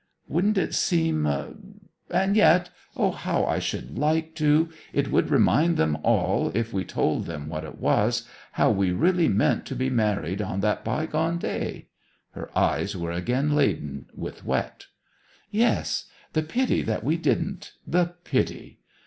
'Wouldn't it seem . And yet, O how I should like to! It would remind them all, if we told them what it was, how we really meant to be married on that bygone day!' Her eyes were again laden with wet. 'Yes ... The pity that we didn't the pity!'